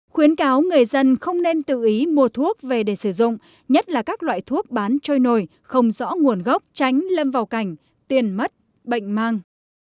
khuyến cáo người dân không nên tự ý mua thuốc về để sử dụng nhất là các loại thuốc bán trôi nổi không rõ nguồn gốc tránh lâm vào cảnh tiền mất bệnh mang